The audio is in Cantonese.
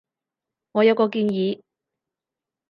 我有個建議